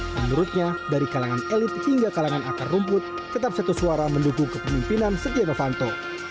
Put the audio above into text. menurutnya dari kalangan elit hingga kalangan akar rumput tetap satu suara mendukung kepemimpinan setia novanto